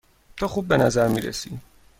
تو خوب به نظر می رسی.